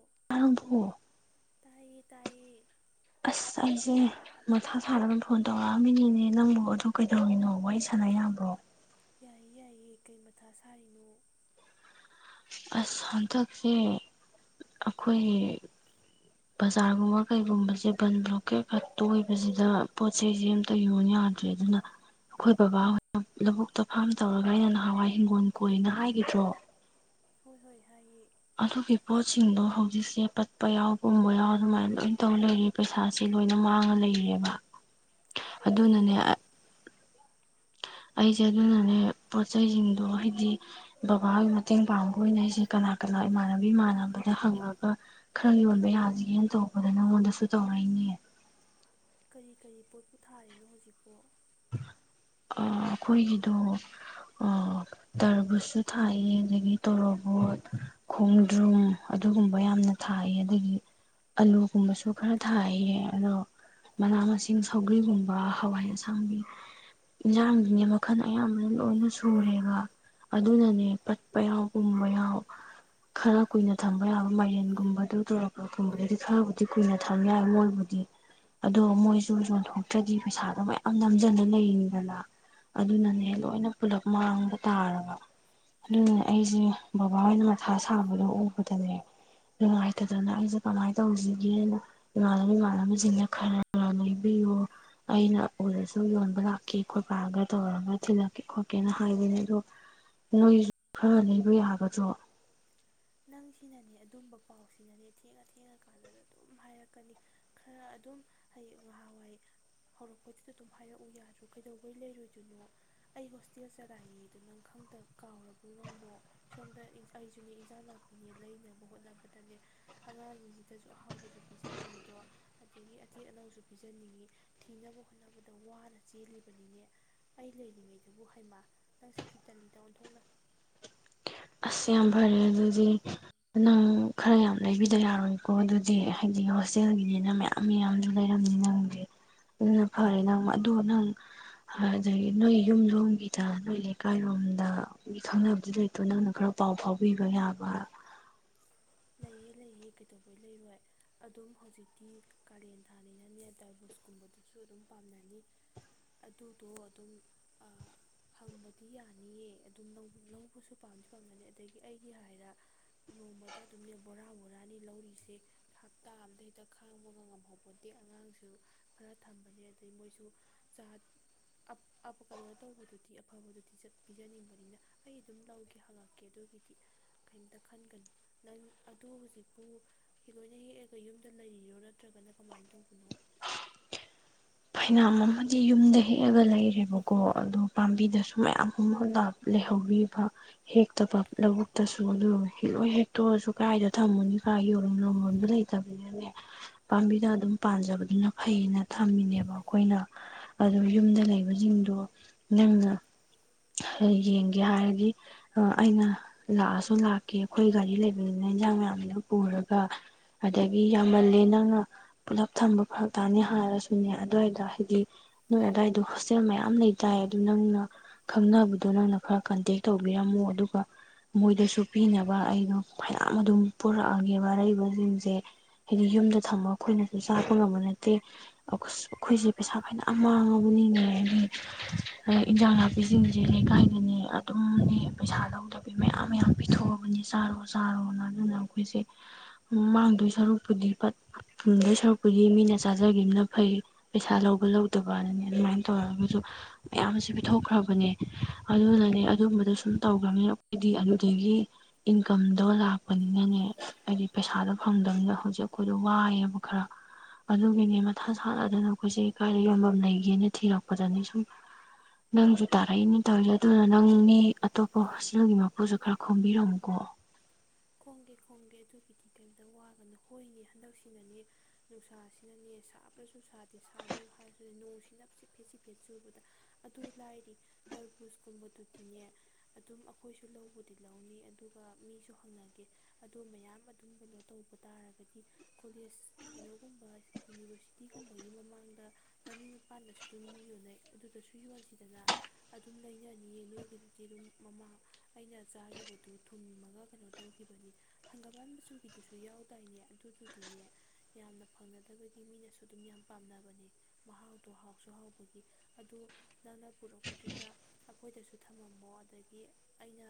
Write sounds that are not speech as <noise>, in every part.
<inaudible> ꯇꯥꯏꯌꯦ ꯇꯥꯏꯌꯦ ꯑꯁ ꯑꯩꯁꯦ ꯃꯁꯥ ꯁꯥꯅ ꯐꯣꯟ ꯇꯧꯔꯛꯑꯃꯤꯅꯦꯅꯦ ꯅꯪꯕꯨ ꯑꯗꯨ ꯀꯩꯗꯧꯔꯤꯅꯣ ꯋꯥꯔꯤ ꯁꯥꯟꯅ ꯌꯥꯕ꯭ꯔꯣ ꯌꯥꯏꯌꯦ ꯌꯥꯏꯌꯦ ꯀꯩ ꯃꯊꯥ ꯁꯥꯔꯤꯅꯣ ꯑꯁ ꯍꯟꯗꯛꯁꯦ ꯑꯩꯈꯣꯏ ꯕꯖꯥꯔꯒꯨꯝꯕ ꯀꯩꯒꯨꯝꯕꯁꯦ ꯕꯟ ꯕ꯭ꯂꯣꯀꯦꯠ ꯈꯛꯇ ꯑꯣꯏꯕꯁꯤꯗ ꯄꯣꯠꯁꯦ ꯑꯃꯇ ꯌꯡ ꯌꯥꯗ꯭ꯔꯦ ꯑꯗꯨꯅ ꯑꯩꯈꯣꯏ ꯕꯕꯥ ꯍꯣꯏꯅ ꯂꯧꯕꯨꯛꯇ ꯐꯥꯝ ꯇꯧꯔꯒ ꯑꯩꯅ ꯅꯍꯋꯥꯏ ꯍꯤꯡꯒꯣꯜ ꯀꯣꯏꯅ ꯍꯥꯏꯈꯤꯗ꯭ꯔꯣ ꯍꯣꯏ ꯍꯣꯏ ꯍꯥꯏꯑ ꯑꯗꯨꯒꯤ ꯄꯣꯠꯁꯤꯡꯗꯣ ꯍꯧꯖꯤꯛꯁꯦ ꯄꯠꯄ ꯌꯥꯎ ꯄꯨꯝꯕ ꯌꯥꯎ ꯑꯗꯨꯃꯥꯏꯅ ꯂꯣꯏ ꯇꯧ ꯂꯩꯔꯤ ꯄꯩꯁꯥꯥꯁꯦ ꯂꯣꯏꯅ ꯃꯥꯡꯉ ꯂꯩꯔꯦꯕ ꯑꯗꯨꯅꯅꯦ ꯑꯩꯁꯦ ꯑꯗꯨꯅꯅꯦ ꯄꯣꯠꯁꯤꯡꯗꯣ ꯍꯥꯏꯗꯤ ꯕꯕꯥꯒꯤ ꯃꯇꯦꯡ ꯄꯥꯡꯕ ꯑꯣꯏꯅ ꯑꯩꯁꯦ ꯀꯅꯥ ꯀꯅꯥ ꯏꯃꯥꯟꯅꯕꯤ ꯏꯃꯥꯟꯅꯕꯗ ꯍꯪꯉꯒ ꯈꯔ ꯌꯣꯟꯕ ꯌꯥꯁꯤꯒꯦꯅ ꯇꯧꯕꯗ ꯅꯉꯣꯟꯗꯁꯨ ꯇꯧꯔꯛꯏꯅꯦ ꯀꯔꯤ ꯀꯔꯤ ꯄꯣꯠꯄꯨ ꯊꯥꯔꯤꯅꯣ ꯍꯧꯖꯤꯛꯄꯣ ꯑꯩꯈꯣꯏꯒꯤꯗꯣ ꯇꯔꯕꯨꯖꯁꯨ ꯊꯥꯏ ꯑꯗꯒꯤ ꯇꯣꯔꯣꯕꯣꯠ ꯈꯣꯡꯗ꯭ꯔꯨꯝ ꯑꯗꯨꯒꯨꯝꯕ ꯌꯥꯝꯅ ꯊꯥꯏ ꯑꯗꯒꯤ ꯑꯥꯂꯨꯒꯨꯝꯕꯁꯨ ꯈꯔ ꯊꯥꯏꯌꯦ ꯑꯗꯣ ꯃꯅꯥ ꯃꯁꯤꯡ ꯁꯧꯒ꯭ꯔꯤꯒꯨꯝꯕ ꯍꯋꯥꯏ ꯒꯤ ꯏꯟꯁꯥꯡꯁꯤꯡꯅꯦ ꯃꯈꯜ ꯑꯌꯥꯝꯕꯅ ꯂꯣꯏꯅ ꯁꯨꯔꯦꯕ ꯑꯗꯨꯅꯅꯦ ꯄꯠꯄ ꯌꯥꯎꯒꯨꯝꯕ ꯌꯥꯎ ꯈꯔ ꯀꯨꯏꯅ ꯊꯝꯕ ꯌꯥꯕ ꯃꯥꯏꯔꯦꯟꯒꯨꯝꯕꯗꯨ ꯇꯣꯔꯛꯄꯒꯨꯝꯕꯗꯗꯤ ꯈꯔꯕꯨꯗꯤ ꯀꯨꯏꯅ ꯊꯝꯕ ꯌꯥꯏ ꯃꯣꯏꯕꯨꯗꯤ ꯑꯗꯣ ꯃꯣꯏꯁꯨ ꯌꯣꯟꯊꯣꯛꯇ꯭ꯔꯗꯤ ꯄꯩꯁꯥꯗꯣ ꯃꯌꯥꯝ ꯌꯥꯝ ꯅꯝꯁꯤꯟꯅ ꯂꯩꯔꯤꯗꯅ ꯑꯗꯨꯅꯅꯦ ꯂꯣꯏꯅ ꯄꯨꯂꯞ ꯃꯥꯡꯕ ꯇꯥꯔꯕ ꯑꯗꯨꯅꯅꯦ ꯑꯩꯁꯦ ꯕꯕꯥꯍꯣꯏꯅ ꯃꯊꯥ ꯁꯥꯕꯗꯣ ꯎꯕꯗꯅꯦ ꯅꯨꯡꯉꯥꯏꯇꯗꯅ ꯑꯩꯁꯦ ꯀꯃꯥꯏꯅ ꯇꯧꯁꯤꯒꯦꯅ ꯏꯃꯥꯟꯅꯕ ꯏꯃꯥꯟꯅꯕꯁꯤꯡꯅ ꯈꯔ ꯂꯩꯕꯤꯌꯣ ꯑꯩꯅ ꯎꯔꯁꯨ ꯌꯣꯟꯕ ꯂꯥꯛꯀꯦ ꯈꯣꯠꯄꯔꯒ ꯇꯧꯔꯒ ꯊꯤꯜꯂꯛꯀꯦ ꯈꯣꯠꯀꯦꯅ ꯍꯥꯏꯕꯅꯦ ꯑꯗꯣ ꯅꯣꯏꯁꯨ ꯈꯔ ꯂꯩꯕ ꯌꯥꯒꯗ꯭ꯔꯣ ꯅꯪ ꯁꯤꯅꯅꯦ ꯑꯗꯨꯝꯕ ꯄꯥꯎꯁꯤꯅꯅꯦ ꯊꯦꯡꯉ ꯊꯦꯡꯉ ꯀꯥꯟꯗꯨꯗ ꯑꯗꯨꯝ ꯍꯥꯏꯔꯛꯀꯅꯤ ꯈꯔ ꯑꯗꯨꯝ ꯍꯌꯦ ꯉꯥꯏꯍꯥꯟꯋꯥꯏ ꯍꯧꯔꯛꯄꯗꯨꯗ ꯑꯗꯨꯝ ꯍꯥꯏꯔꯛꯎ ꯌꯥꯗ꯭ꯔꯣ ꯀꯩꯗꯧꯕꯩ ꯂꯩꯔꯣꯏꯗꯣꯏꯅꯣ ꯑꯩ ꯍꯣꯁꯇꯦꯜ ꯆꯂꯥꯏꯌꯦꯗ ꯅꯪ ꯈ ꯀꯥꯎꯔꯕ꯭ꯔꯣ ꯅꯪꯕꯣ ꯁꯣꯝꯗ ꯑꯩꯁꯨꯅꯦ ꯏꯟꯖꯥꯡꯅꯥ ꯅꯦ ꯂꯩꯅꯕ ꯍꯣꯠꯅꯕꯗꯅꯦ ꯑꯉꯥꯡꯁꯤꯡꯁꯤꯗꯁꯨ ꯑꯍꯥꯎꯕꯁꯨ ꯄꯤꯖꯅꯤꯡꯉꯤꯗꯣ ꯑꯗꯒꯤ ꯑꯇꯦ ꯑꯅꯧꯁꯨ ꯄꯤꯖꯅꯤꯡꯉꯤ ꯊꯤꯅꯕ ꯍꯣꯠꯅꯕꯗ ꯋꯥꯅ ꯆꯦꯜꯂꯤꯕꯅꯤꯅꯦ ꯑꯩ ꯂꯩꯔꯤꯉꯩꯗꯕꯨ ꯍꯥꯏꯃ ꯅꯪ ꯁꯤꯇꯤ ꯇꯜꯂꯤꯗ ꯑꯣꯟꯊꯣꯛꯅ ꯑꯁ ꯌꯥꯝ ꯐꯔꯦ ꯑꯗꯨꯗꯤ ꯅꯪ ꯈꯔ ꯌꯥꯝ ꯂꯩꯕꯤꯗ ꯌꯥꯔꯣꯏꯀꯣ ꯑꯗꯨꯗꯤ ꯍꯥꯏꯗꯤ ꯍꯣꯁꯇꯦꯜꯒꯤꯅꯤꯅ ꯃꯌꯥꯝ ꯃꯌꯥꯝꯁꯨ ꯂꯩꯔꯝꯅꯤ ꯅꯪꯗꯤ ꯑꯗꯨꯅ ꯐꯔꯦ ꯅꯪ ꯑꯗꯣ ꯅꯪ ꯑꯗꯒꯤ ꯅꯣꯏ ꯌꯨꯝ ꯌꯣꯝꯒꯤꯗ ꯅꯣꯏ ꯂꯩꯀꯥꯏꯔꯣꯝꯗ ꯈꯪꯅꯕꯗꯤ ꯂꯩꯇ ꯑꯗꯨ ꯅꯪꯅ ꯈꯔ ꯄꯥꯎ ꯐꯥꯎꯕꯤꯕ ꯌꯥꯕ ꯂꯩꯑ ꯂꯩꯌꯦ ꯀꯩꯇꯧꯕꯩ ꯂꯩꯔꯣꯏ ꯑꯗꯨꯝ ꯍꯧꯖꯤꯛꯇꯤ ꯀꯥꯂꯦꯟ ꯊꯥꯅꯤꯅꯅꯦ ꯇꯔꯕꯨꯁꯀꯨꯝꯕꯗꯨꯁꯨ ꯑꯗꯨꯝ ꯄꯥꯝꯅꯅꯤ ꯑꯗꯨꯗꯣ ꯑꯗꯨꯝ ꯍꯪꯕꯗꯤ ꯌꯥꯅꯤꯑ ꯑꯗꯨꯝ ꯂꯧꯕꯁꯨ ꯄꯥꯝꯁꯨ ꯄꯥꯝꯅꯅꯤ ꯑꯗꯒꯤ ꯑꯩꯒꯤ ꯍꯥꯏꯔ ꯑꯗꯨꯝꯅꯦ ꯕꯣꯔꯥ ꯕꯣꯔꯥꯅꯤ ꯂꯧꯔꯤꯁꯦ ꯍꯞꯇꯥ ꯑꯝꯗ ꯍꯦꯛꯇ ꯈꯥꯡꯕꯒ ꯉꯝꯍꯧꯄꯣꯟꯇꯦ ꯑꯉꯥꯡꯁꯨ ꯈꯔ ꯊꯝꯕꯅꯦ ꯑꯗꯩ ꯃꯣꯏꯁꯨ ꯆ ꯑꯞ ꯑꯞ ꯀꯅꯣ ꯇꯧꯕꯗꯨꯗꯤ ꯑꯐꯕꯗꯨꯗꯤ ꯆꯠ ꯄꯤꯖꯅꯤꯡꯕꯅꯤꯅ ꯑꯩ ꯑꯗꯨꯝ ꯂꯧꯒꯦ ꯍꯪꯉꯛꯀꯦ ꯑꯗꯨꯒꯤꯗꯤ ꯀꯩꯝꯇ ꯈꯟꯒꯅꯨ ꯅꯪ ꯑꯗꯣ ꯍꯨꯖꯤꯛꯄꯨ ꯍꯤ ꯂꯣꯏꯅ ꯍꯦꯛꯑꯒ ꯌꯨꯝꯗ ꯂꯩꯔꯤꯔꯣ ꯅꯠꯇ꯭ꯔꯒꯅ ꯀꯃꯥꯏꯅ ꯇꯧꯕꯅꯣ ꯐꯩꯅꯥꯝ ꯑꯃꯗꯤ ꯌꯨꯝꯗ ꯍꯦꯛꯑꯒ ꯂꯩꯔꯦꯕꯀꯣ ꯑꯗꯨ ꯄꯥꯝꯕꯤꯗꯁꯨ ꯃꯌꯥꯝ ꯑꯃ ꯂꯞ ꯂꯩꯍꯧꯔꯤꯕ ꯍꯦꯛꯇꯕ ꯂꯧꯕꯨꯛꯇꯁꯨ ꯑꯗꯨ ꯍꯤ ꯂꯣꯏ ꯍꯦꯛꯇꯣꯛꯑꯁꯨ ꯀꯥꯏꯗ ꯊꯝꯃꯨꯅꯤ ꯀꯥ ꯌꯣꯟ ꯌꯣꯕꯝ ꯂꯩꯇꯕꯅꯤꯅꯅꯦ ꯄꯥꯝꯕꯤꯗ ꯑꯗꯨꯝ ꯄꯥꯟꯖꯕꯗꯨꯅ ꯐꯩꯅ ꯊꯝꯃꯤꯅꯦ ꯑꯈꯣꯏꯅ ꯑꯗꯨ ꯌꯨꯝꯗ ꯂꯩꯕꯖꯤꯡꯗꯣ ꯅꯪꯅ ꯍ ꯌꯦꯡꯒꯦ ꯍꯥꯏꯔꯗꯤ ꯑ ꯑꯩꯅ ꯂꯥꯛꯑꯁꯨ ꯂꯥꯛꯀꯦ ꯈꯣꯏ ꯒꯥꯔꯤ ꯂꯩꯕꯅꯤꯅ ꯏꯟꯖꯥꯡ ꯃꯌꯥꯝꯖꯤꯡꯗꯣ ꯄꯨꯔꯒ ꯑꯗꯒꯤ ꯌꯥꯝꯃꯜꯂꯦ ꯅꯪꯅ ꯄꯨꯂꯞ ꯊꯝꯕ ꯐꯔꯛ ꯇꯥꯅꯤ ꯍꯥꯏꯔꯁꯨꯅꯦ ꯑꯗꯨꯋꯥꯏꯗ ꯍꯥꯏꯗꯤ ꯅꯣꯏ ꯑꯗꯥꯏꯗꯣ ꯍꯣꯁꯇꯦꯜ ꯃꯌꯥꯝ ꯂꯩꯗꯥꯏ ꯑꯗꯨ ꯅꯪꯅ ꯈꯪꯅꯕꯗꯣ ꯅꯪꯅ ꯈꯔ ꯀꯟꯇꯦꯛ ꯇꯧꯕꯤꯔꯝꯃꯣ ꯑꯗꯨꯒ ꯃꯣꯏꯗꯁꯨ ꯄꯤꯅꯕ ꯑꯩꯗꯣ ꯐꯩꯅꯝ ꯑꯗꯨꯝ ꯄꯨꯔꯛꯑꯒꯦꯕ ꯑꯔꯩꯕꯁꯤꯡꯖꯦ ꯍꯥꯏꯗꯤ ꯌꯨꯝꯗ ꯊꯝꯃ ꯑꯈꯣꯏꯅꯁꯨ ꯆꯥꯕ ꯉꯝꯕ ꯅꯠꯇꯦ ꯑꯁ ꯑꯈꯣꯏꯖꯦ ꯄꯩꯁꯥ ꯐꯩꯅꯝ ꯃꯥꯡꯉꯕꯅꯤꯅꯦ ꯍꯥꯏꯗꯤ ꯏꯟꯖꯥꯡ ꯅꯥ ꯏꯁꯤꯡꯁꯦ ꯂꯩꯀꯥꯏꯗꯅꯦ ꯑꯗꯨꯝꯅꯦ ꯄꯩꯁꯥ ꯂꯧꯗꯕꯤ ꯃꯌꯥꯝ ꯃꯌꯥꯝ ꯄꯤꯊꯣꯛꯑꯕꯅꯤ ꯆꯥꯔꯣ ꯆꯥꯔꯣꯅ ꯑꯗꯨꯅ ꯑꯈꯣꯏꯖꯦ ꯃꯥꯡꯗꯣꯏ ꯁꯔꯨꯛꯄꯨꯗꯤ ꯄꯠ ꯐꯨꯝꯗꯣꯏ ꯁꯔꯨꯛꯄꯨꯗꯤ ꯃꯤꯅ ꯆꯥꯖꯒꯤꯝꯅ ꯐꯩ ꯄꯩꯁꯥ ꯂꯧꯕ ꯂꯧꯗꯕꯅꯅꯦ ꯑꯗꯨꯃꯥꯏꯅ ꯇꯧꯔꯒꯁꯨ ꯃꯌꯥꯝꯁꯦ ꯄꯤꯊꯣꯛꯈ꯭ꯔꯕ ꯍꯣꯅꯦ ꯑꯗꯨꯅꯅꯦ ꯑꯗꯨꯝꯕꯗꯣ ꯁꯨꯝ ꯇꯧꯒ꯭ꯔꯝꯅꯤꯅ ꯑꯈꯣꯏꯗꯤ ꯑꯗꯨꯗꯒꯤ ꯏꯟꯀꯝꯗꯣ ꯂꯥꯛꯄꯅꯤꯅꯅꯦ ꯍꯥꯏꯗꯤ ꯄꯩꯁꯥꯗꯣ ꯐꯪꯗꯝꯅꯤꯅ ꯍꯧꯖꯤꯛ ꯑꯈꯣꯏꯗꯣ ꯋꯥꯏꯑꯕ ꯈꯔ ꯑꯗꯨꯒꯤꯅꯦ ꯃꯊꯥ ꯁꯅꯗꯅ ꯑꯈꯣꯏꯁꯦ ꯀꯥꯏꯗ ꯌꯣꯟꯕꯝ ꯂꯩꯒꯦꯅ ꯊꯤꯔꯛꯄꯗꯅꯤ ꯁꯨꯝ ꯅꯪꯁꯨ ꯇꯥꯔꯛꯏꯅꯤ ꯇꯧꯔꯤꯛꯁꯦ ꯑꯗꯨꯅ ꯅꯪꯅꯦ ꯑꯇꯣꯞꯄ ꯍꯣꯁꯇꯦꯜꯒꯤ ꯃꯄꯨꯁꯨ ꯈꯔ ꯈꯣꯝꯕꯤꯔꯝꯃꯨꯀꯣ ꯈꯣꯡꯒꯦ ꯈꯣꯡꯒꯦ ꯑꯗꯨꯒꯤꯗꯤ ꯀꯩꯝꯇ ꯋꯥꯒꯅꯨ ꯍꯣꯏꯅꯦ ꯍꯟꯗꯛꯁꯤꯅꯅꯦ ꯅꯨꯡꯁꯥꯁꯤꯅꯅꯦ ꯁꯥꯕ꯭ꯔꯁꯨ ꯁꯥꯗꯦ ꯁꯥꯅꯨ ꯍꯥꯏꯔꯁꯨꯅꯦ ꯅꯣꯡꯁꯤꯅ ꯆꯤꯐꯦꯠ ꯆꯤꯐꯦꯠ ꯆꯨꯕꯗ ꯑꯗꯨ ꯂꯥꯏꯔꯤ ꯇꯔꯕꯨꯁꯀꯨꯝꯕꯗꯨꯗꯤꯅꯦ ꯑꯗꯨꯝ ꯑꯈꯣꯏꯁꯨ ꯂꯧꯕꯨꯗꯤ ꯂꯧꯅꯤ ꯑꯗꯨꯒ ꯃꯤꯁꯨ ꯍꯪꯅ ꯒꯦ ꯑꯗꯣ ꯃꯌꯥꯝ ꯑꯗꯨꯝ ꯀꯩꯅꯣ ꯇꯧꯕ ꯇꯥꯔꯒꯗꯤ ꯀꯣꯂꯦꯖ ꯀꯩꯅꯣꯒꯨꯝꯕ ꯌꯨꯅꯤꯚꯔꯁꯤꯇꯤꯒꯨꯝꯕꯒꯤ ꯃꯃꯥꯡꯗ ꯂꯝꯕꯤ ꯃꯄꯥꯟꯗꯁꯨ ꯑꯗꯨꯝ ꯃꯤ ꯌꯣꯟꯅꯩ ꯑꯗꯨꯗꯁꯨ ꯌꯣꯟꯁꯤꯗꯅ ꯑꯗꯨꯝ ꯂꯩꯅꯅꯤꯌꯦ ꯅꯣꯏꯒꯤꯗꯨꯗꯤ ꯑꯗꯨꯝ ꯃꯃꯥ ꯑꯩꯅ ꯆꯥꯒꯤꯕꯗꯨ ꯊꯨꯝꯃꯒ ꯀꯩꯅꯣ ꯇꯧꯒꯤꯕꯅꯤ ꯍꯪꯒꯕꯥꯟ ꯃꯆꯨꯒꯤꯗꯨꯁꯨ ꯌꯥꯎꯗꯥꯏꯅꯦ ꯑꯗꯨꯗꯨꯗꯤꯅꯦ ꯌꯥꯝꯅ ꯐꯪꯅꯗꯕꯒꯤ ꯃꯤꯅꯁꯨ ꯑꯗꯨꯝ ꯌꯥꯝ ꯄꯥꯝꯅꯕꯅꯦ ꯃꯍꯥꯎꯗꯣ ꯍꯥꯎꯁꯨ ꯍꯥꯎꯕꯒꯤ ꯑꯗꯨ ꯅꯪꯅ ꯄꯨꯔꯛꯄꯗꯨꯗ ꯑꯈꯣꯏꯗꯁꯨ ꯊꯝꯃꯝꯃꯣ ꯑꯗꯒꯤ ꯑꯩꯅ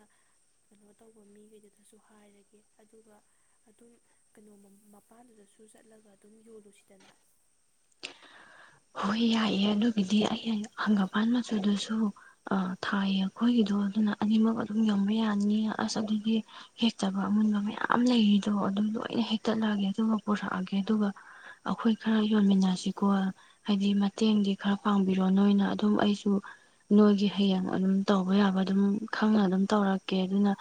ꯀꯩꯅꯣ ꯇꯧꯕ ꯃꯤꯒꯩꯗ ꯗꯁꯨ ꯍꯥꯏꯔꯒꯦ ꯑꯗꯨꯒ ꯑꯗꯨꯝ ꯀꯩꯅꯣ ꯃ ꯃꯄꯥꯟꯗꯨꯗꯁꯨ ꯆꯠꯂꯒ ꯑꯗꯨꯝ ꯌꯣꯜꯂꯨꯁꯤꯗꯅ ꯍꯣꯏ ꯌꯥꯏꯌꯦ ꯑꯗꯨꯒꯤꯗꯤ ꯑꯩ ꯍꯪꯒꯥꯄꯥꯟ ꯃꯆꯨꯗꯨꯁꯨ ꯑ ꯊꯥꯏꯌꯦ ꯑꯈꯣꯏꯒꯤꯗꯣ ꯑꯗꯨꯅ ꯑꯅꯤꯃꯛ ꯑꯗꯨꯝ ꯌꯪꯕ ꯌꯥꯅꯤ ꯑꯁ ꯑꯗꯨꯒꯤ ꯍꯦꯛꯇꯕ ꯑꯃꯨꯟꯕ ꯃꯌꯥꯝ ꯂꯩꯔꯤꯗꯣ ꯑꯗꯨ ꯂꯣꯏꯅ ꯍꯦꯛꯛꯇꯠꯂꯛꯑꯒꯦ ꯑꯗꯨꯒ ꯄꯨꯔꯛꯑꯒꯦ ꯑꯗꯨꯒ ꯑꯈꯣꯏ ꯈꯔ ꯌꯣꯟꯃꯤꯟꯅꯁꯤꯀꯣ ꯍꯥꯏꯗꯤ ꯃꯇꯦꯡꯗꯤ ꯈꯔ ꯄꯥꯡꯕꯤꯔꯣ ꯅꯣꯏꯅ ꯑꯗꯨꯝ ꯑꯩꯁꯨ ꯅꯣꯏꯒꯤ ꯍꯌꯦꯡ ꯑꯗꯨꯝ ꯇꯧꯕ ꯌꯥꯕ ꯑꯗꯨꯝ ꯈꯪꯅ ꯑꯗꯨꯝ ꯇꯧꯔꯛꯀꯦ ꯑꯗꯨꯅ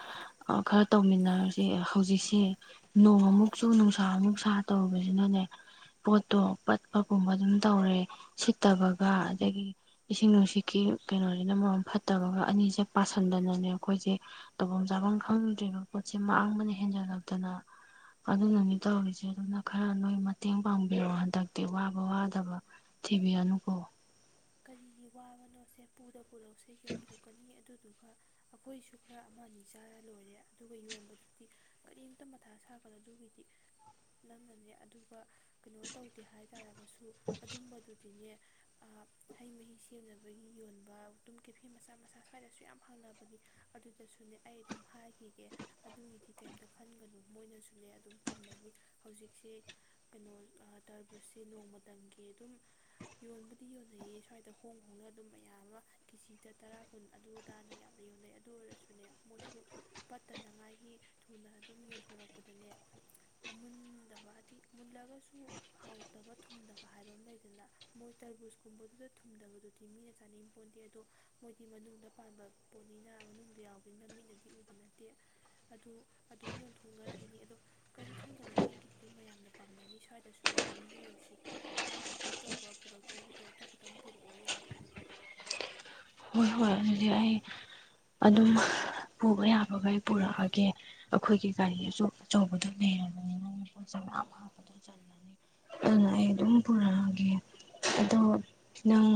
ꯑ ꯈꯔ ꯇꯧꯃꯤꯟꯅꯔꯁꯦ ꯍꯧꯖꯤꯛꯁꯦ ꯅꯣꯡꯃꯨꯛ ꯆꯨ ꯅꯨꯡꯁꯥ ꯑꯃꯨꯛ ꯁꯥ ꯇꯧꯔꯨꯕꯖꯤꯅꯅꯦ ꯄꯣꯠꯇꯣ ꯄꯠꯄꯒꯨꯝꯕ ꯑꯗꯨꯝ ꯇꯧꯔꯦ ꯁꯤꯠꯇꯕꯒ ꯑꯗꯒꯤ ꯏꯁꯤꯡ ꯅꯨꯡꯁꯤꯠꯀꯤ ꯀꯩꯅꯣꯖꯤꯅ ꯃꯔꯣꯝ ꯐꯠꯇꯕꯒ ꯑꯅꯤꯁꯦ ꯄꯥꯁꯟꯗꯅꯅꯦ ꯑꯈꯣꯏꯖꯦ ꯇꯧꯐꯝ ꯆꯥꯐꯝ ꯈꯪꯗ꯭ꯔꯦꯕ ꯄꯣꯠꯁꯦ ꯃꯥꯡꯕꯅ ꯍꯦꯟꯖꯜꯂꯛꯇꯅ ꯑꯗꯨꯅꯅꯤ ꯇꯧꯔꯤꯖꯦ ꯑꯗꯨꯅ ꯈꯔ ꯅꯣꯏ ꯃꯇꯦꯡ ꯄꯥꯡꯕꯤꯔꯣ ꯍꯟꯗꯛꯇꯤ ꯋꯥꯕ ꯋꯥꯗꯕ ꯊꯤꯕꯤꯔꯅꯨꯀꯣ ꯀꯔꯤꯒꯤ ꯋꯥꯕꯅꯣꯁꯦ ꯄꯨꯗ ꯄꯨꯔꯛꯎꯁꯦ ꯌꯣꯟꯊꯣꯛꯀꯅꯤ ꯑꯗꯨꯗꯨ ꯈ ꯑꯈꯣꯏꯁꯨ ꯈꯔ ꯑꯃ ꯑꯅꯤ ꯆꯥꯔ ꯂꯣꯏꯔꯦ ꯑꯗꯨꯒ ꯌꯣꯟꯕꯗꯨꯗꯤ ꯀꯔꯤꯝꯇ ꯃꯊꯥ ꯁꯥꯒꯅꯣ ꯑꯗꯨꯒꯤꯗꯤ ꯅꯪꯅꯅꯦ ꯑꯗꯨꯒ ꯀꯩꯅꯣ ꯇꯧꯗꯦ ꯍꯥꯏꯇꯥꯥꯔꯒꯁꯨ ꯑꯗꯨꯝꯕꯗꯨꯗꯤꯅꯦ ꯍꯩ ꯃꯍꯤ ꯁꯦꯝꯅꯕꯒꯤ ꯌꯣꯟꯕ ꯇꯨꯝ ꯀꯦꯐꯤ ꯃꯆꯥ ꯃꯆꯥ ꯁꯋ꯭ꯥꯏꯗꯁꯨ ꯌꯥꯝ ꯍꯥꯡꯅꯕꯅꯤ ꯑꯗꯨꯗꯁꯨꯅꯦ ꯑꯩ ꯑꯗꯨꯝ ꯍꯥꯏꯈꯤꯒꯦ ꯑꯗꯨꯒꯤꯗꯤ ꯀꯩꯝꯇ ꯈꯟꯒꯅꯨ ꯃꯣꯏꯅꯁꯨꯅꯦ ꯑꯗꯨꯝ ꯄꯥꯝꯅꯔꯤ ꯍꯧꯖꯤꯛꯁꯦ ꯀꯩꯅꯣ ꯑ ꯇꯔꯕꯨꯠꯁꯦ ꯅꯣꯡꯃꯇꯝꯒꯤ ꯑꯗꯨꯝ ꯌꯣꯟꯕꯨꯗꯤ ꯌꯣꯟ ꯅꯩꯌꯦ ꯁ꯭ꯋꯥꯏꯗ ꯍꯣꯡ ꯍꯣꯡꯅ ꯑꯗꯨꯝ ꯃꯌꯥꯝ ꯑꯃ ꯀꯦꯖꯤꯗ ꯇꯔꯥ ꯀꯨꯟ ꯑꯗꯨ ꯑꯗꯥꯅ ꯌꯥꯝꯅ ꯌꯣꯟꯅꯩ ꯑꯗꯨ ꯑꯣꯏꯔꯁꯨꯅꯦ ꯃꯣꯏꯁꯨ ꯄꯠꯇꯅꯉꯥꯏꯒꯤ ꯊꯨꯅ ꯑꯗꯨꯝ ꯌꯣꯟꯊꯣꯔꯛꯄꯗꯅꯦ ꯑꯃꯨꯟꯗꯕ ꯍꯥꯏꯗꯤ ꯃꯨꯜꯂꯒꯁꯨ ꯍꯥꯎꯇꯕ ꯊꯨꯝꯗꯕ ꯍꯥꯏꯕ ꯑꯝ ꯂꯩꯗꯅ ꯃꯣꯏ ꯇꯔꯕꯨꯖ ꯀꯨꯝꯕꯗꯨꯗ ꯊꯨꯝꯗꯕꯗꯨꯗꯤ ꯃꯤꯅ ꯆꯥꯅꯤꯡꯄꯣꯟꯇꯦ ꯑꯗꯣ ꯃꯣꯏꯗꯤ ꯃꯅꯨꯡꯗ ꯄꯥꯟꯕ ꯄꯣꯠꯅꯤꯅ ꯃꯅꯨꯡꯗ ꯌꯥꯎꯕꯅꯤꯅ ꯃꯤꯠꯅꯗꯤ ꯎꯕ ꯅꯠꯇꯦ ꯑꯗꯨ ꯑꯗꯨꯝ ꯌꯣꯟꯊꯣꯛꯅꯔꯛꯏꯅꯤ ꯑꯗꯣ ꯀꯩꯝ ꯈꯟꯒꯅꯣ ꯅꯪꯒꯤꯗꯨꯗꯨꯝ ꯃꯌꯥꯝꯅ ꯄꯥꯝꯅꯅꯤ ꯁ꯭ꯋꯥꯏꯗꯁꯨꯅꯦ ꯑꯗꯨꯝ ꯌꯣꯟꯁꯤ ꯅꯪꯒꯤ ꯍꯦꯛꯇꯧꯕ ꯄꯨꯔꯛꯇꯧꯕꯗꯣ ꯗꯨꯈꯇꯪ ꯄꯨꯔꯛꯑꯣ ꯌꯥꯔꯦ ꯍꯣꯏ ꯍꯣꯏ ꯑꯗꯨꯗꯤ ꯑꯩ ꯑꯗꯨꯝ ꯍ ꯄꯨꯕ ꯌꯥꯕꯒꯩ ꯄꯨꯔꯛꯑꯒꯦ ꯑꯈꯣꯏꯒꯤ ꯒꯥꯔꯤ ꯑꯁꯨ ꯑꯆꯧꯕꯗꯨ ꯂꯩꯔꯕꯅꯤꯅ ꯄꯣꯠꯆꯩ ꯃꯌꯥꯝ ꯍꯥꯞꯄꯗꯣ ꯆꯜꯂꯅꯤ ꯑꯗꯨꯅ ꯑꯩ ꯑꯗꯨꯝ ꯄꯨꯔꯛꯑꯒꯦ ꯑꯗꯣ ꯅꯪ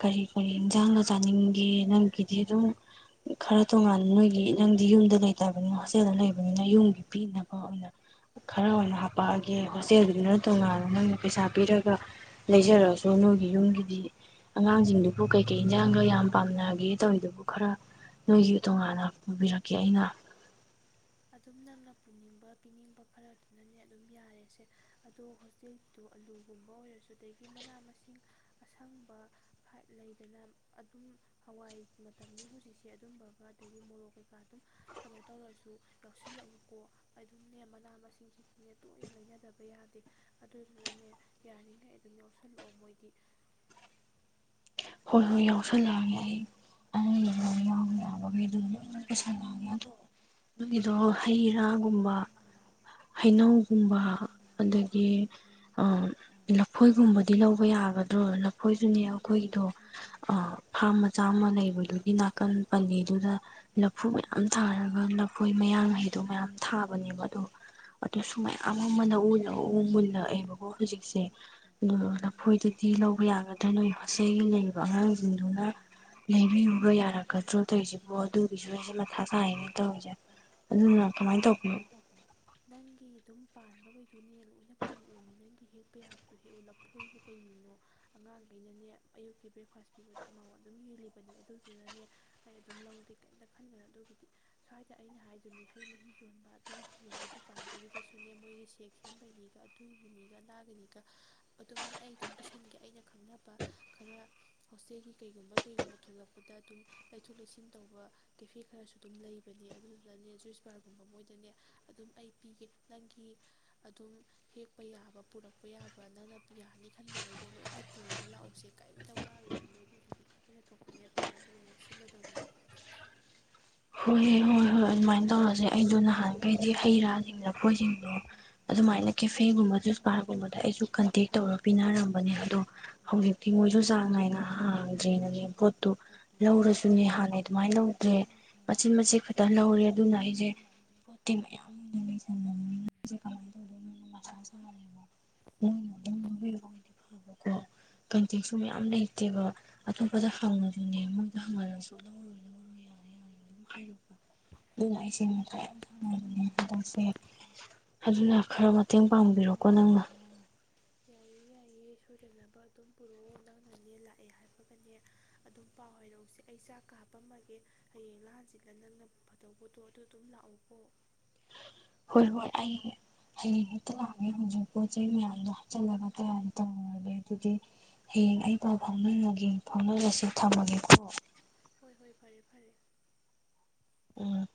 ꯀꯔꯤ ꯀꯔꯤ ꯏꯟꯖꯥꯡꯒ ꯆꯥꯅꯤꯡꯒꯦ ꯅꯪꯒꯤꯗꯤ ꯑꯗꯨꯝ ꯈꯔ ꯇꯣꯉꯥꯟꯅ ꯅꯣꯏꯒꯤ ꯅꯪꯗꯤ ꯌꯨꯝꯗ ꯂꯩꯇꯕꯅꯤꯅ ꯍꯣꯁꯇꯦꯜꯗ ꯂꯩꯕꯅꯤꯅ ꯌꯨꯝꯒꯤ ꯄꯤꯅꯕ ꯑꯃꯨꯛ ꯈꯔ ꯑꯣꯏꯅ ꯍꯥꯄꯛꯑꯒꯦ ꯍꯣꯁꯇꯦꯜꯗꯨꯗꯤꯅ ꯇꯣꯉꯥꯟꯅ ꯅꯪꯅ ꯄꯩꯁꯥ ꯄꯤꯔꯒ ꯂꯩꯖꯔꯒꯁꯨ ꯅꯣꯏꯒꯤ ꯌꯨꯝꯒꯤꯗꯤ ꯑꯉꯥꯡꯁꯤꯡꯗꯨꯕꯨ ꯀꯩꯀꯩ ꯏꯟꯖꯥꯡꯒ ꯌꯥꯝ ꯄꯥꯝꯅꯒꯦ ꯇꯧꯋꯤꯗꯨꯕꯨ ꯈꯔ ꯅꯣꯏꯒꯤ ꯇꯣꯉꯥꯟꯅ ꯄꯨꯕꯤꯔꯛꯀꯦ ꯑꯩꯅ ꯑꯗꯨꯝ ꯅꯪꯅ ꯄꯨꯅꯤꯡꯕ ꯄꯤꯅꯤꯡꯕ ꯈꯔꯗꯨꯅꯅꯦ ꯑꯗꯨꯝ ꯌꯥꯔꯦꯁꯦ ꯑꯗꯣ ꯍꯣꯁꯇꯦꯜꯒꯤꯗꯣ ꯑꯂꯨ ꯒꯨꯝꯕ ꯑꯣꯏꯔꯁꯨ ꯑꯗꯒꯤ ꯃꯅꯥ ꯃꯁꯤꯡ ꯑꯁꯪꯕ ꯍꯥꯏ ꯂꯩꯗꯅ ꯑꯗꯨꯝ ꯍꯋꯥꯏ ꯃꯇꯝꯅꯤ ꯍꯧꯖꯤꯛꯁꯦ ꯑꯗꯨꯝꯕꯒ ꯑꯗꯒꯤ ꯃꯣꯔꯣꯛ ꯀꯩꯀꯥ ꯑꯗꯨꯝ ꯀꯩꯅꯣ ꯇꯧꯔꯁꯨ ꯌꯥꯎꯁꯤꯜꯂꯛꯎꯀꯣ ꯑꯗꯨꯝꯅꯦ ꯃꯅꯥ ꯃꯁꯤꯡꯁꯤꯡꯗꯤꯅꯦ ꯇꯣꯏꯅ ꯂꯩꯅꯗꯕ ꯌꯥꯗꯦ ꯑꯗꯨꯗꯨꯅꯅꯦ ꯌꯥꯔꯤꯉꯩ ꯑꯗꯨꯝ ꯌꯥꯎꯁꯜꯂꯛꯑꯣ ꯃꯣꯏꯗꯤ ꯍꯣꯏ ꯍꯣꯏ ꯌꯥꯎꯁꯜꯂꯛꯑꯒꯦ ꯑꯩ <inaudible> ꯌꯥꯎ ꯌꯥꯕꯒꯩ ꯑꯗꯨꯝ <unintelligible> ꯑꯗꯨꯒꯤꯗꯣ ꯍꯩ ꯔꯥ ꯒꯨꯝꯕ ꯍꯩꯅꯧꯒꯨꯝꯕ ꯑꯗꯒꯤ ꯑ ꯂꯐꯣꯏꯒꯨꯝꯕꯗꯤ ꯂꯧꯕ ꯌꯥꯒꯗ꯭ꯔꯣ ꯂꯐꯣꯏꯖꯨꯅꯦ ꯑꯈꯣꯏꯒꯤꯗꯣ ꯑ ꯐꯥꯝ ꯃꯆꯥ ꯑꯃ ꯂꯩꯕꯗꯨꯒꯤ ꯅꯥꯀꯟ ꯄꯜꯂꯤꯗꯨꯗ ꯂꯐꯨ ꯃꯌꯥꯝ ꯊꯥꯔꯒ ꯂꯐꯣꯏ ꯃꯌꯥꯡ ꯑꯗꯨ ꯃꯌꯥꯝ ꯊꯥꯕꯅꯦꯕ ꯑꯗꯣ ꯑꯗꯨꯁꯨ ꯃꯌꯥꯝ ꯑꯃꯅ ꯂꯥꯥꯎ ꯂꯥꯥꯎ ꯃꯨꯜꯂꯛꯑꯦꯕꯀꯣ ꯍꯨꯖꯤꯛꯁꯦ ꯑꯗꯣ ꯂꯐꯣꯏꯗꯨꯗꯤ ꯂꯧꯕ ꯌꯥꯒꯗ꯭ꯔꯥ ꯅꯣꯏ ꯍꯁꯇꯦꯜꯒꯤ ꯂꯩ ꯑ ꯑꯉꯥꯡꯁꯤꯡꯗꯨꯅ ꯂꯩꯕꯤꯌꯨꯒ ꯌꯥꯔꯛꯀꯗ꯭ꯔꯣ ꯇꯩꯖꯤꯕꯣ ꯑꯗꯨꯒꯤꯁꯨ ꯑꯩꯁꯦ ꯃꯊꯥ ꯁꯥꯏꯌꯦꯅꯦ ꯇꯧꯔꯤꯁꯦ ꯑꯗꯨꯅ ꯀꯃꯥꯏꯅ ꯇꯧꯕꯅꯣ ꯅꯪꯒꯤ ꯑꯗꯨꯝ ꯄꯥꯟꯕꯒꯩꯗꯨꯅꯦ ꯂꯣꯏꯅ ꯄꯨꯔꯣꯑꯣ ꯃꯤ ꯅꯪꯒꯤ ꯍꯦꯛꯄ ꯌꯥꯕꯗꯣ ꯍꯦꯛꯎ ꯂꯐꯣꯏꯕꯨ ꯀꯩꯒꯤꯅꯣ ꯑꯉꯥꯡꯒꯩꯅꯅꯦ ꯑꯌꯨꯛꯀꯤ ꯕ꯭ꯔꯦꯛꯐꯥꯁ ꯄꯤꯕꯗ ꯑꯃꯃꯝ ꯑꯗꯨꯝ ꯌꯦꯜꯂꯤꯕꯅꯤ ꯑꯗꯨꯗꯨꯅꯅꯦ ꯑꯩ ꯑꯗꯨꯝ ꯂꯧꯒꯦ ꯀꯩꯝꯇ ꯈꯟꯒꯅꯣ ꯑꯗꯨꯒꯤꯗꯤ ꯁ꯭ꯋꯥꯏꯗ ꯑꯩꯅ ꯍꯥꯏ ꯑꯗꯨꯅꯤ ꯍꯩ ꯃꯍꯤ ꯌꯣꯟꯕ ꯑꯗꯨ ꯌꯣꯟꯕ ꯗꯨꯀꯥꯟꯒꯩꯗꯨꯗꯁꯨꯅꯦ ꯃꯣꯏꯒꯤ ꯁꯦꯛ ꯁꯦꯝꯕꯩꯅꯤꯒ ꯑꯗꯨꯒꯤꯅꯤꯒ ꯑꯗꯥꯒꯤꯅꯤꯒ ꯍ ꯑꯗꯨꯝꯅꯦ ꯑꯩ ꯑꯗꯨꯝ ꯄꯤꯁꯟꯒꯦ ꯑꯩꯅ ꯈꯪꯅꯕ ꯈꯔ ꯍꯣꯁꯇꯦꯜꯒꯤ ꯀꯩꯒꯨꯝꯕ ꯀꯩꯒꯨꯝꯕ ꯊꯣꯛꯂꯛꯄꯗ ꯑꯗꯨꯝ ꯂꯩꯊꯣꯛ ꯂꯩꯁꯤꯟ ꯇꯧꯕ ꯀꯦꯐꯦ ꯈꯔꯁꯨ ꯑꯗꯨꯝ ꯂꯩꯕꯅꯦ ꯑꯗꯨ ꯗꯅꯦ ꯖꯨꯏꯁ ꯕꯥꯔꯒꯨꯝꯕ ꯃꯣꯏꯗꯅꯦ ꯑꯗꯨꯝ ꯑꯩ ꯄꯤꯒꯦ ꯅꯪꯒꯤ ꯑꯗꯨꯝ ꯍꯦꯛꯄ ꯌꯥꯕ ꯄꯨꯔꯛꯄ ꯌꯥꯕ ꯅꯪꯅ ꯄꯤ ꯌꯥꯅꯤ ꯈꯟꯕꯒꯩꯗꯣ ꯂꯣꯏ ꯍꯦꯛ ꯄꯨꯔꯒ ꯂꯥꯛꯎꯁꯦ ꯀꯩꯝꯇ ꯋꯥꯔꯨꯔꯅꯣ ꯑꯗꯨꯒꯤ ꯑꯩꯅ ꯊꯣꯛꯄꯅꯦ ꯐꯅꯕ ꯂꯣꯏꯅ ꯁꯤꯜꯂꯗꯧꯕꯅꯤ ꯍꯣꯏꯍꯦ ꯍꯣꯏ ꯍꯣꯏ ꯑꯗꯨꯃꯥꯏꯅ ꯇꯧꯔꯁꯦ ꯑꯩꯗꯣ ꯅꯍꯥꯟꯒꯩꯗꯤ ꯍꯩ ꯔꯥꯁꯤꯡ ꯂꯐꯣꯏꯖꯤꯡꯗꯣ ꯑꯗꯨꯃꯥꯏꯅ ꯀꯦꯐꯦꯒꯨꯝꯕ ꯖꯨꯁ ꯕꯔꯒꯨꯝꯕꯗ ꯑꯩꯁꯨ ꯀꯟꯇꯦꯛ ꯇꯧꯔ ꯄꯤꯅꯔꯝꯕꯅꯦ ꯑꯗꯣ ꯍꯧꯖꯤꯛꯇꯤ ꯃꯣꯏꯁꯨ ꯆꯥꯡ ꯅꯥꯏꯅ ꯍꯥꯡꯗ꯭ꯔꯦꯅꯅꯦ ꯄꯣꯠꯇꯨ ꯂꯧꯔꯁꯨꯅꯦ ꯍꯥꯟꯅꯩ ꯑꯗꯨꯃꯥꯏꯅ ꯂꯧꯗ꯭ꯔꯦ <inaudible> ꯂꯧꯔꯦ ꯑꯗꯨꯅ ꯑꯩꯁꯦ <inaudible> <inaudible> <inaudible> <inaudible> <inaudible> ꯀꯟꯇꯦꯛꯁꯨ ꯃꯌꯥꯝ ꯂꯩꯇꯦꯕ ꯑꯇꯣꯞꯄꯗ ꯍꯪꯉꯁꯨꯅꯦ ꯃꯣꯏꯗ ꯍꯪꯉꯔꯁꯨ ꯂꯧꯔꯣꯏ ꯂꯧꯔꯣꯏ <inaudible> <inaudible> ꯍꯥꯏꯔꯄ ꯑꯗꯨꯅ ꯑꯩꯁꯦ ꯃꯊꯥ ꯌꯥꯝ ꯁꯥꯃꯟꯗꯅꯥꯅꯦ ꯍꯟꯗꯛꯁꯦ ꯑꯗꯨꯅ ꯈꯔ ꯃꯇꯦꯡ ꯄꯥꯡꯕꯤꯔꯣꯀꯣ ꯅꯪꯅ ꯑꯩꯁꯨ ꯁꯣꯏꯗꯅꯕ ꯑꯗꯨꯝ ꯄꯨꯔꯛꯑꯣ ꯅꯪꯅꯅꯦ ꯂꯥꯛꯑꯦ ꯍꯥꯏꯕꯒꯅꯦ ꯑꯗꯨꯝ ꯄꯥꯎ ꯍꯥꯏꯔꯛꯎꯁꯦ ꯑꯩ ꯆꯥꯛꯀ ꯍꯥꯞꯄꯝꯃꯒꯦ ꯍꯌꯦꯡꯂ ꯍꯡꯆꯤꯠꯂ ꯅꯪꯅ ꯐꯗꯧ ꯄꯣꯠꯇꯣ ꯑꯗꯨ ꯑꯗꯨꯝ ꯂꯥꯛꯎꯀꯣ ꯍꯣꯏ ꯍꯣꯏ ꯑꯩ ꯍꯌꯦꯡ ꯍꯦꯛꯇ ꯂꯥꯛꯑꯒꯦ ꯍꯧꯖꯤꯛ ꯄꯣꯠ ꯆꯩ ꯃꯌꯥꯝꯗꯣ ꯍꯥꯞꯆꯜꯂꯒ ꯀꯌꯥ ꯇꯧꯔꯒꯦ ꯑꯗꯨꯗꯤ ꯍꯌꯦꯡ ꯑꯩ ꯄꯥꯎ ꯐꯥꯎꯅꯔꯒꯦ ꯐꯥꯎꯅꯔꯁꯤ ꯊꯝꯃꯒꯦꯀꯣ ꯍꯣꯏ ꯍꯣꯏ ꯐꯔꯦ ꯐꯔꯦ ꯎꯝ